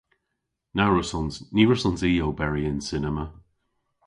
Na wrussons. Ny wrussons i oberi yn cinema.